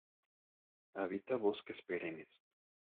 Habita bosques perennes.